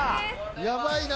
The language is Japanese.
やばいな。